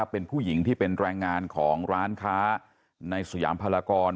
เป็นผู้หญิงที่เป็นแรงงานของร้านค้าในสยามพลากร